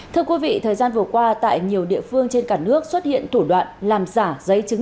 thưa quý vị thời gian vừa qua tại nhiều địa phương trên cả nước xuất hiện thủ đoạn làm giả giấy chứng